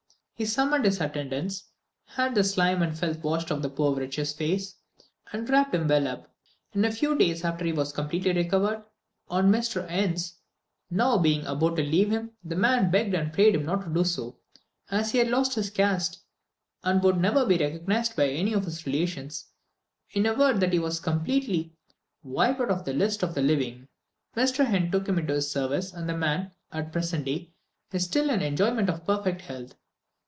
He summoned his attendants, had the slime and filth washed off the poor wretch's face, and wrapped him well up. In a few days after he was completely recovered. On Mr. N 's now being about to leave him, the man begged and prayed him not to do so, as he had lost his caste, and would never more be recognised by any of his relations; in a word that he was completely wiped out of the list of the living. Mr. N took him into his service, and the man, at the present day, is still in the enjoyment of perfect health.